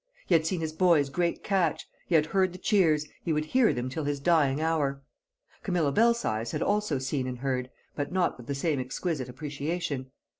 He had seen his boy's great catch; he had heard the cheers, he would hear them till his dying hour. Camilla Belsize had also seen and heard, but not with the same exquisite appreciation.